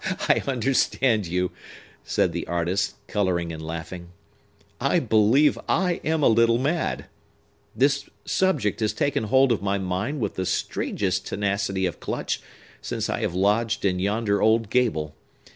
"I understand you!" said the artist, coloring and laughing. "I believe I am a little mad. This subject has taken hold of my mind with the strangest tenacity of clutch since I have lodged in yonder old gable.